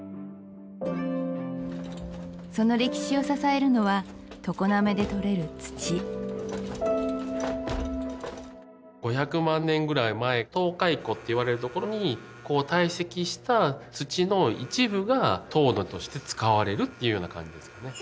その歴史を支えるのは常滑でとれる土５００万年ぐらい前東海湖っていわれるところにこう堆積した土の一部が陶土として使われるっていうような感じですかね